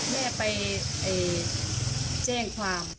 แม่ไปแจ้งความ